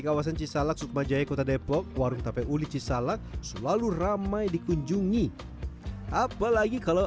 kawasan cisalak sukmajaya kota depok warung tape uli cisalak selalu ramai dikunjungi apalagi kalau